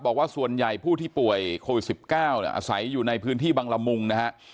บอกว่าส่วนใหญ่ผู้ที่ป่วยโควิด๑๙อาศัยอยู่ในพื้นที่บังละมุงนะฮะ